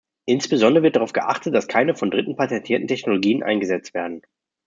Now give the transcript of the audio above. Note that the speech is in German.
Insbesondere wird darauf geachtet, dass keine von Dritten patentierten Technologien eingesetzt werden.